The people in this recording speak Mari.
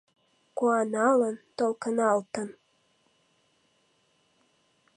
Куаналын, толкыналтын